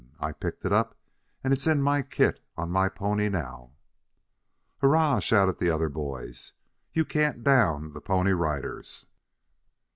I picked it up and it's in my kit on my pony now." "Hurrah!" shouted the other boys. "You can't down the Pony Riders."